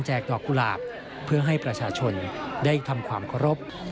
ดอกกุหลาบเพื่อให้ประชาชนได้ทำความเคารพ